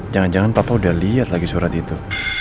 jangan jangan papa udah lihat lagi surat itu